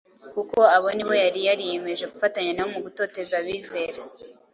kuko abo ni bo yari yariyemeje gufatanya nabo mu gutoteza abizera.